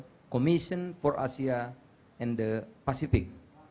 dan juga dengan komisi sosial asia dan pasifik